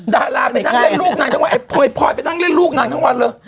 ดาราไปนั่งเล่นลูกนางทั้งวันไอ้พลอยไปนั่งเล่นลูกนางทั้งวันเลย